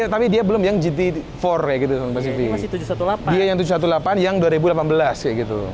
tapi dia belum yang gt empat ya gitu ini masih tujuh ratus delapan belas dia yang tujuh ratus delapan belas yang dua ribu delapan belas kayak gitu